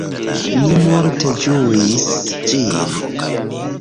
Ni multe ĝuis ĝin.